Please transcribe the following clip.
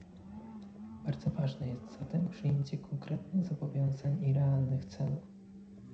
Bardzo ważne jest zatem przyjęcie konkretnych zobowiązań i realnych celów